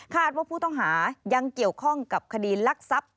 คาดว่าผู้ต่างหายังเกี่ยวข้องกับคดีรักษัทร์